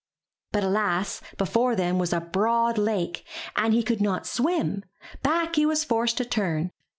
But alas, before them was a broad lake, and as he could not swim, back he was forced to turn.